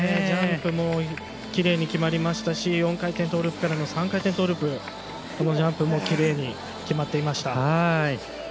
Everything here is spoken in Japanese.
ジャンプもきれいに決まったし４回転トーループからの３回転トーループのジャンプもきれいに決まっていました。